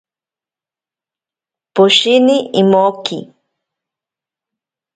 Poshini imoki.